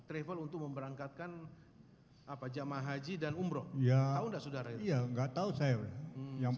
travel untuk memberangkatkan apa jamaah haji dan umroh ya tahu enggak saudara iya enggak tahu saya yang